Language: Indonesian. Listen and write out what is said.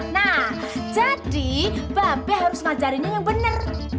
nah jadi bampe harus ngajarin yang bener